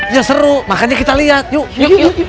ya seru makanya kita liat yuk yuk yuk